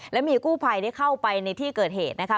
และมีกู้ภัยได้เข้าไปในที่เกิดเหตุนะคะ